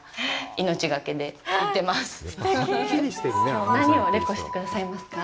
きょう、何をレコしてくださいますか？